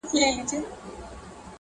کله کله به وو دومره قهرېدلی -